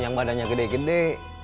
yang badannya gede gede